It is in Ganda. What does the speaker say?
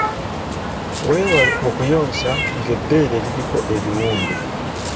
Weewale okuyonsa ng’ebbeere liriko ebiwundu.